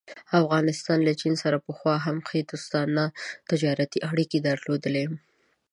افغانستان له چین سره پخوا هم ښې دوستانه تجارتي اړيکې درلودلې.